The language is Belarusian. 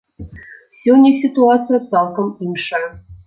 Сёння сітуацыя цалкам іншая.